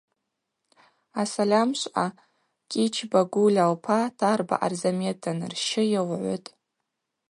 Асальамшвъа Кӏьычба Гульа лпа Тарба Арзамет данырщы йылгӏвытӏ.